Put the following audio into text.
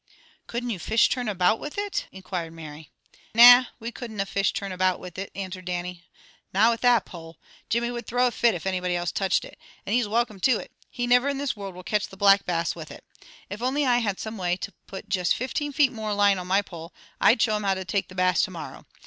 "Couldn't you fish turn about with it?" inquired Mary. "Na, we couldna fish turn about with it," answered Dannie. "Na with that pole. Jimmy would throw a fit if anybody else touched it. And he's welcome to it. He never in this world will catch the Black Bass with it. If I only had some way to put juist fifteen feet more line on my pole, I'd show him how to take the Bass to morrow.